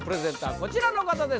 こちらの方です